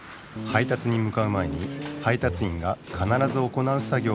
配達にむかう前に配達員がかならず行う作